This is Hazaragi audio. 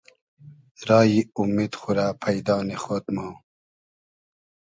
رایی اومید خو رۂ پݷدا نی خۉد مۉ